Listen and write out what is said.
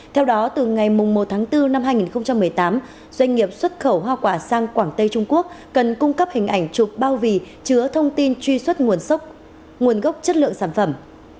theo đó từ ngày một tháng bốn năm hai nghìn một mươi tám doanh nghiệp xuất khẩu hoa quả sang quảng tây trung quốc cần cung cấp hình ảnh chụp bao bì chứa thông tin truy xuất nguồn gốc chất lượng sản phẩm